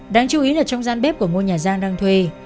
đáng chú ý là trong gian bếp của ngôi nhà giang đang thuê